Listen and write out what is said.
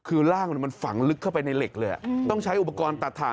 คือร่างมันฝังลึกเข้าไปในเหล็กเลยต้องใช้อุปกรณ์ตัดถ่าน